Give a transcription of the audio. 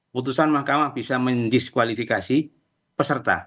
putusan mahkamah bisa mendiskualifikasi peserta